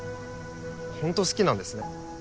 ほんと好きなんですね？